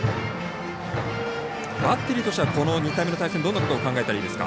バッテリーとしてはこの２回目の対戦どんなことを考えたらいいですか？